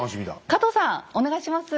加藤さんお願いします。